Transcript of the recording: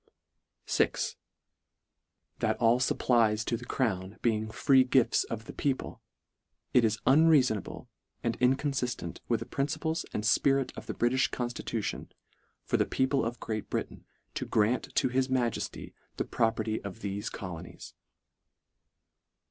VI. " That all fupplies to the crown being free gifts of the people, it is unrea sonable and inconiiftent with the principles and fpirit of the BritiSh constitution, for the people of Great Britain to grant to his Ma jeSty the property of the colonies."